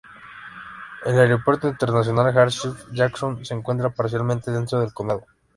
El Aeropuerto Internacional Hartsfield-Jackson se encuentra parcialmente dentro del condado.